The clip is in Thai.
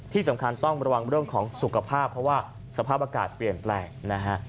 ที่สำคัญต้องระวังเรื่องของสุขภาพเพราะว่าสภาพอากาศเปลี่ยนแปลงนะฮะ